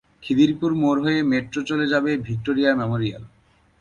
খিদিরপুর মোড় হয়ে মেট্রো চলে যাবে ভিক্টোরিয়া মেমোরিয়াল।